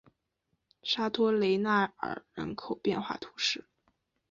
沙托雷纳尔人口变化图示